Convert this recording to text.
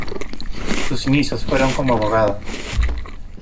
Sus inicios fueron como abogada.